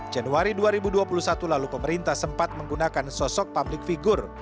januari dua ribu dua puluh satu lalu pemerintah sempat menggunakan sosok publik figur